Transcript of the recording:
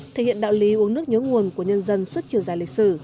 thể hiện đạo lý uống nước nhớ nguồn của nhân dân suốt chiều dài lịch sử